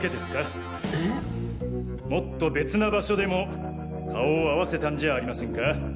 もっと別な場所でも顔を合わせたんじゃありませんか？